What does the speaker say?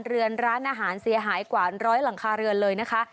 เรือนร้านอาหารเสียหายกว่าร้อยหลังคาเรือนเลยนะคะ